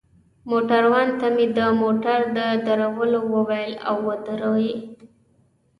موټروان ته مې د موټر د درولو وویل، او ودروه يې.